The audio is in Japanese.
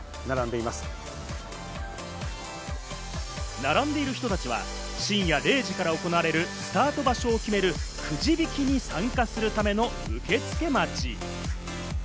並んでいる人たちは深夜０時から行われるスタート場所を決めるくじ引きに参加するための受付待ち。